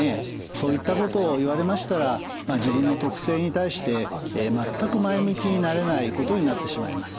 そういったことを言われましたら自分の特性に対して全く前向きになれないことになってしまいます。